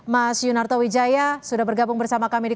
mas yunarto wijaya sudah bergabung bersama kami di